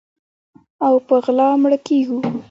او په غلا مړه کیږو